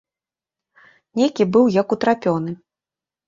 Нейкі быў як утрапёны.